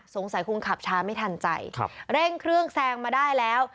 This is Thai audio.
สงสัยคงขับช้าไม่ทันใจเร่งเครื่องแซงมาได้แล้ว